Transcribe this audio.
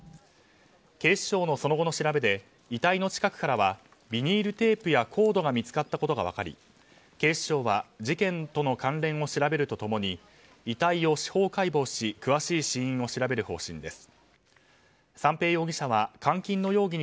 警視庁のその後の調べで遺体の近くからはビニールテープやコードが見つかったことが分かり警視庁は事件との関連を調べると共に遺体を司法解剖し詳しい死因を調べる方針です。